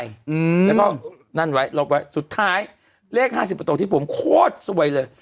แล้วก็นั่นไว้ลบไว้สุดท้ายเลข๕๐ตกที่ผมโคตรสวยเลย